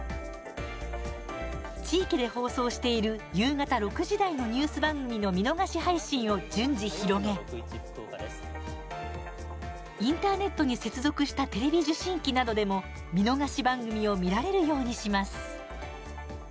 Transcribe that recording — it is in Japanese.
地域で放送している夕方６時台のニュース番組の見逃し配信を順次広げインターネットに接続したテレビ受信機などでも見逃し番組を見られるようにします。